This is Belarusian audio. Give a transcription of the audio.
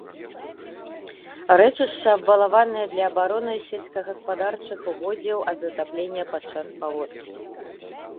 Рэчышча абвалаванае для абароны сельскагаспадарчых угоддзяў ад затаплення падчас паводкі.